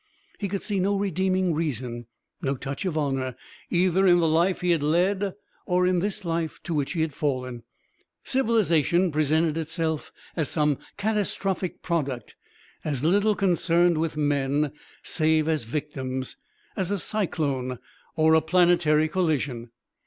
He could see no redeeming reason, no touch of honour, either in the life he had led or in this life to which he had fallen. Civilisation presented itself as some catastrophic product as little concerned with men save as victims as a cyclone or a planetary collision.